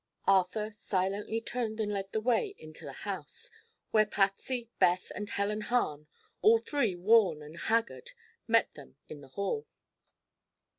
Arthur silently turned and led the way into the house, where Patsy, Beth and Helen Hahn, all three worn and haggard, met them in the hall.